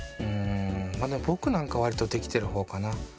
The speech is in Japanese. まあぼくなんかわりとできてるほうかな。